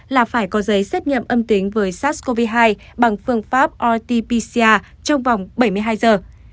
là phải có giấy xét nghiệm âm tính với sars cov hai bằng phương pháp rt pcr trong vòng bảy mươi hai giờ